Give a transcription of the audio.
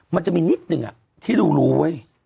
มันจะมีนิดหนึ่งที่รู้เว้ย